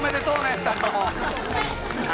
２人とも。